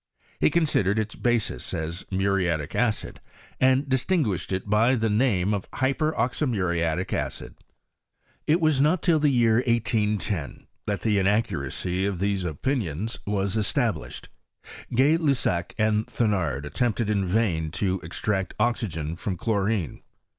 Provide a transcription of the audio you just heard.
He considered its basis as muriatic acid, and distinguished it by the name of hyper oxymuriatic acid. It was not till the year 1810, that the inaccuracy of these opinions was established. Gay Lussac and Thenard attempted in vain to extract oxygen from chlorine.